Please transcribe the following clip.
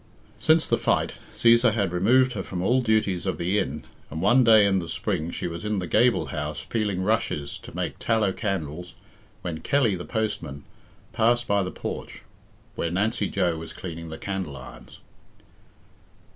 Since the fight, Cæsar had removed her from all duties of the inn, and one day in the spring she was in the gable house peeling rushes to make tallow candles when Kelly, the postman, passed by the porch, where Nancy Joe was cleaning the candle irons.